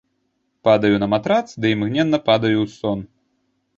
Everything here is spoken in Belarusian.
Падаю на матрац ды імгненна падаю ў сон.